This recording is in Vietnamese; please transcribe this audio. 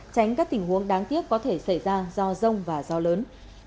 tránh các tình huống đáng tiếc có thể xảy ra do rông và gió lớn